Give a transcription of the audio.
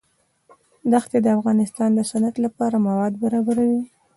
دښتې د افغانستان د صنعت لپاره مواد برابروي.